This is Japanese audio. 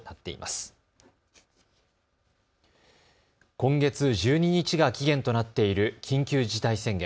今月１２日が期限となっている緊急事態宣言。